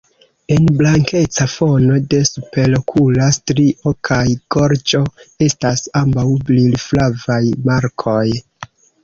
En blankeca fono de superokula strio kaj gorĝo estas ambaŭ brilflavaj markoj.